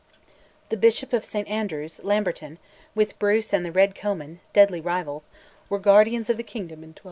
The Bishop of St Andrews, Lamberton, with Bruce and the Red Comyn deadly rivals were Guardians of the Kingdom in 1299.